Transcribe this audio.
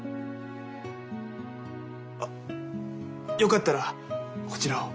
あっよかったらこちらを。